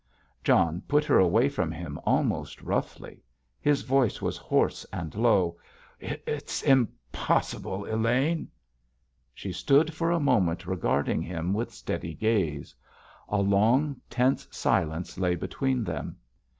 John put her away from him almost roughly; his voice was hoarse and low. "It's impossible, Elaine!" She stood for a moment regarding him with steady gaze. A long, tense silence lay between them.